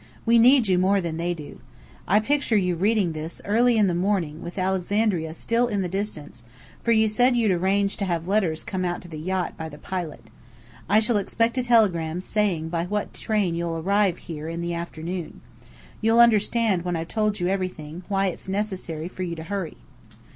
We need you more than they do. I picture you reading this early in the morning, with Alexandria still in the distance; for you said you'd arrange to have letters come out to the yacht by the pilot. I shall expect a telegram saying by what train you'll arrive here in the afternoon. You'll understand when I've told you everything, why it's necessary for you to hurry.